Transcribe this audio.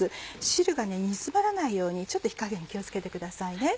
汁が煮つまらないように火加減気を付けてください。